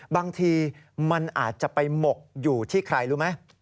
บางทีมันอาจจะไปหมกอยู่ที่ใครรู้ไหม